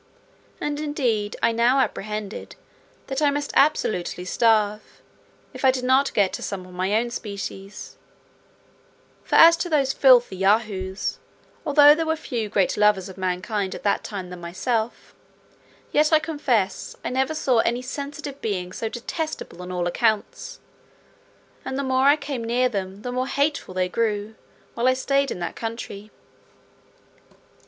And indeed I now apprehended that I must absolutely starve, if I did not get to some of my own species; for as to those filthy Yahoos, although there were few greater lovers of mankind at that time than myself, yet I confess I never saw any sensitive being so detestable on all accounts; and the more I came near them the more hateful they grew, while I stayed in that country.